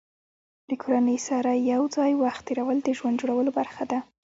د کورنۍ سره یو ځای وخت تېرول د ژوند جوړولو برخه ده.